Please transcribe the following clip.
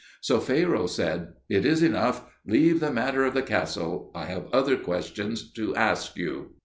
So Pharaoh said, "It is enough; leave the matter of the castle; I have other questions to ask you."